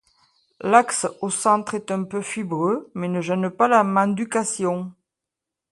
L'axe au centre est un peu fibreux mais ne gêne pas la manducation.